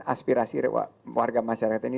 aspirasi warga masyarakat ini